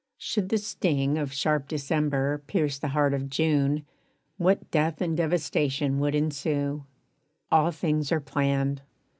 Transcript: Should the sting Of sharp December pierce the heart of June, What death and devastation would ensue! All things are planned.